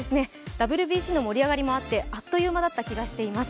ＷＢＣの盛り上がりもあってあっという間だった気がしています。